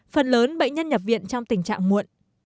phần lớn bệnh nhân nhập viện trong tình trạng muộn